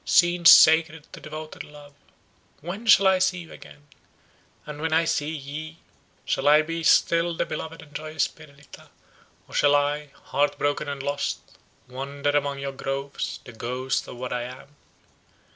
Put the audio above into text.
scenes sacred to devoted love, when shall I see you again! and when I see ye, shall I be still the beloved and joyous Perdita, or shall I, heart broken and lost, wander among your groves, the ghost of what I am!"